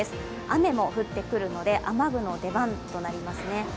雨も降ってくるので雨具の出番となりますね。